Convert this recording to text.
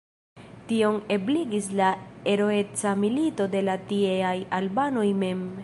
Tion ebligis la heroeca milito de la tieaj albanoj mem.